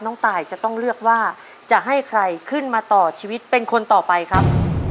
ตายจะต้องเลือกว่าจะให้ใครขึ้นมาต่อชีวิตเป็นคนต่อไปครับ